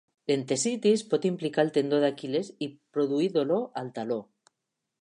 L'entesitis pot implicar el tendó d'Aquil·les i produir dolor al taló.